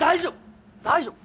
大丈夫！